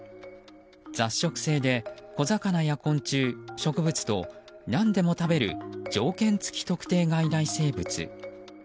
雑食性で小魚や昆虫、植物と何でも食べる条件付特定外来生物。